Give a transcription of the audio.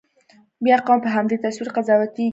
بیا قوم په همدې تصویر قضاوتېږي.